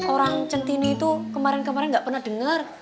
orang centini itu kemarin kemarin nggak pernah dengar